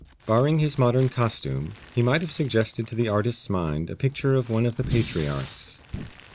Barring his modern costume, he might have suggested to the artist's mind a picture of one of the Patriarchs.